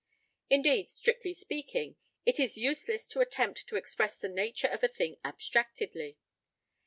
Indeed, strictly speaking, it is useless to attempt to express the nature of a thing abstractedly.